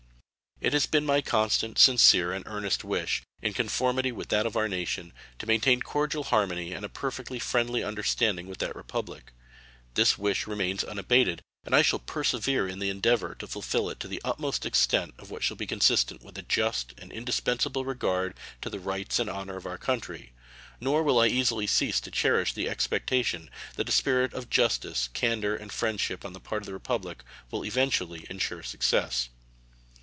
It has been my constant, sincere, and earnest wish, in conformity with that of our nation, to maintain cordial harmony and a perfectly friendly understanding with that Republic. This wish remains unabated, and I shall persevere in the endeavor to fulfill it to the utmost extent of what shall be consistent with a just and indispensable regard to the rights and honor of our country; nor will I easily cease to cherish the expectation that a spirit of justice, candor, and friendship on the part of the Republic will eventually insure success.